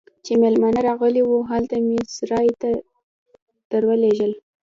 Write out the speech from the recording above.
چې مېلمانه راغلي وو، هلته مې سرای ته درولږل.